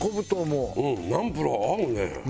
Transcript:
うんナンプラー合うね。